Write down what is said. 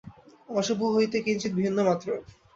অশুভ হইতে কিঞ্চিৎ ভিন্ন মাত্র।